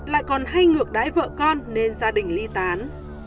lại còn hay ngược đáy vợ con nên gia đình ly tán